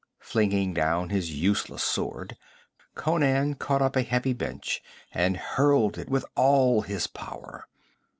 Flinging down his useless sword, Conan caught up a heavy bench and hurled it with all his power.